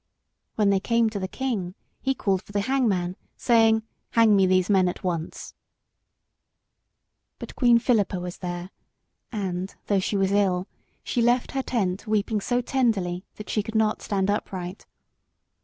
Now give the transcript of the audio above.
When they came to the king, he called for the hangman, saying "Hang me these men at once." But Queen Philippa was there, and though she was ill, she left her tent weeping so tenderly that she could not stand upright.